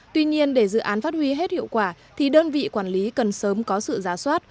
tuy nhiên để dự án phát huy hết hiệu quả thì đơn vị quản lý cần sớm có sự giá soát